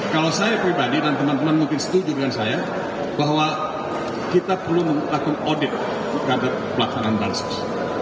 kalau saya pribadi dan teman teman mungkin setuju dengan saya bahwa kita perlu melakukan audit terhadap pelaksanaan bansos